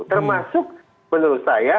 termasuk menurut saya